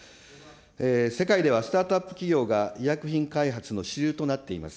世界ではスタートアップ企業が医薬品開発の主流となっております。